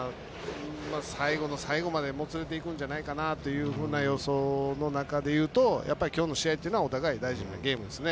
最後の最後までもつれていくんじゃないかなという予想の中で言うときょうの試合というのはお互い大事なゲームですね。